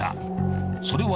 ［それは］